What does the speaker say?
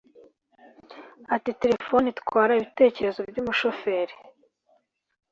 Ati “ Telefoni itwara ibitekerezo by’umushoferi